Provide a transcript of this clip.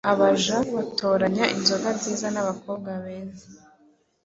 Abaja batoranya inzoga nziza n’abakobwa beza